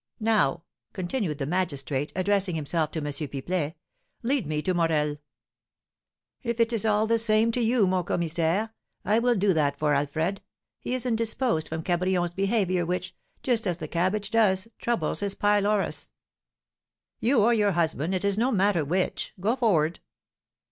"Now," continued the magistrate, addressing himself to M. Pipelet, "lead me to Morel." "If it is all the same to you, mon commissaire, I will do that for Alfred; he is indisposed from Cabrion's behaviour, which, just as the cabbage does, troubles his pylorus." "You or your husband, it is no matter which. Go forward."